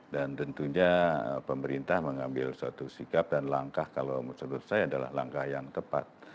dan tentunya pemerintah mengambil suatu sikap dan langkah kalau menurut saya adalah langkah yang tepat